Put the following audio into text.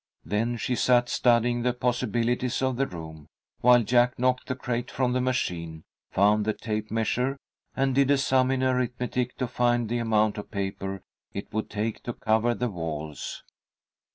Then she sat studying the possibilities of the room, while Jack knocked the crate from the machine, found the tape measure, and did a sum in arithmetic to find the amount of paper it would take to cover the walls.